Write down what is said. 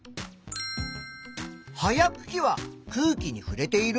葉やくきは空気にふれている？